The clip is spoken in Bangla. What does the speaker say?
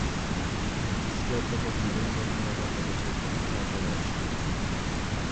স্ত্রী অধ্যাপক মরিয়ম বেগম ঢাকা কলেজে অধ্যক্ষ থাকাকালে অবসরে যান।